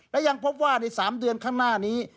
และยังพบว่าใน๓เดือนข้างหน้านี้